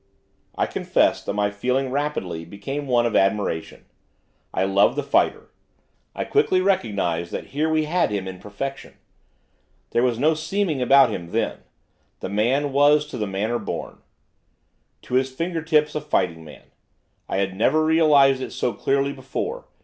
I confess that my feeling rapidly became one of admiration. I love the fighter. I quickly recognised that here we had him in perfection. There was no seeming about him then, the man was to the manner born. To his finger tips a fighting man. I had never realised it so clearly before.